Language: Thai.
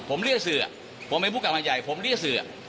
ผมเรียกเสือผมเป็นผู้กำลังใหญ่ผมเรียกเสือ